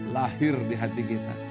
lahir di hati kita